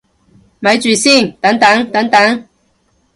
咪住先，等等等等